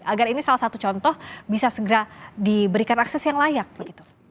agar ini salah satu contoh bisa segera diberikan akses yang layak begitu